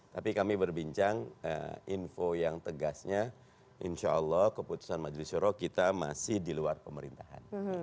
tapi kami berbincang info yang tegasnya insya allah keputusan majlis syuroh kita masih di luar pemerintahan